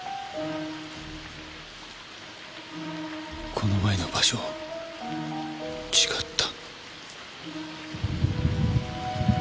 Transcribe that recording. この前の場所違った